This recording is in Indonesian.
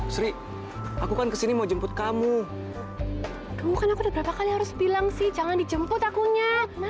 sampai jumpa di video selanjutnya